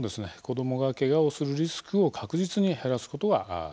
子供がけがをするリスクを確実に減らすことができます。